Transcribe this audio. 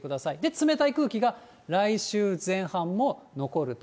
冷たい空気が来週前半も残ると。